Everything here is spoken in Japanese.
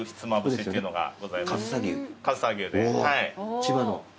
千葉の？